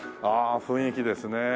あ雰囲気ですね。